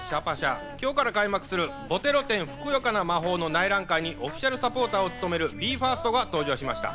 今日から開幕する「ボテロ展ふくよかな魔法」の内覧会にオフィシャルサポーターを務めるＢＥ：ＦＩＲＳＴが登場しました。